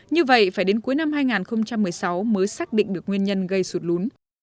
như vậy phải đến cuối năm hai nghìn một mươi sáu mới xác định được nguyên nhân gây sụt lún